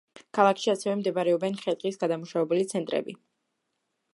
ქალაქში ასევე მდებარეობენ ხე-ტყის გადამამუშავებელი ცენტრები.